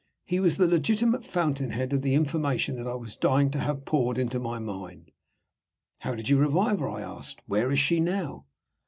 He was the legitimate fountainhead of the information that I was dying to have poured into my mind. "How did you revive her?" I asked. "Where is she now?"